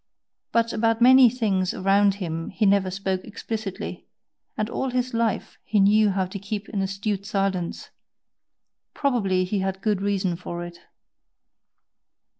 But about many things around him he never spoke explicitly, and all his life he knew how to keep an astute silence probably he had good reason for it.